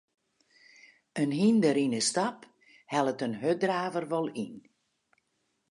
In hynder yn 'e stap hellet in hurddraver wol yn.